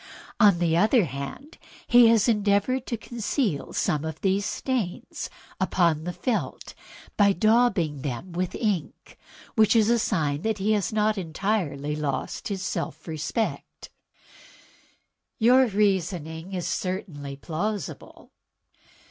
On the other hand, he has endeavored to conceal some of these stains upon the felt by daubing them with ink, which is a sign that he has not entirely lost his self respect." "Your reasoning is certainly plausible."